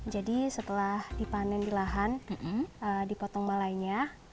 jadi setelah dipanen di lahan dipotong malainya